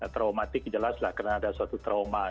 traumatik jelaslah karena ada suatu trauma